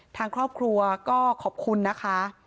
ทางครอบครัวก็ขอบคุณนะคะ